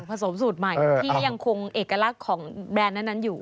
สูตรใหม่ที่ยังคงเอกลักษณ์ของแบรนด์นั้นอยู่